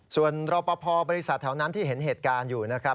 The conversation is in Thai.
ส่วนรอปภบริษัทแถวนั้นที่เห็นเหตุการณ์อยู่นะครับ